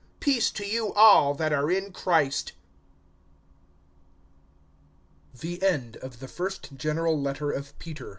Peace to you all, that are in Christ. THE SECOND GENERAL LETTER OF PETER.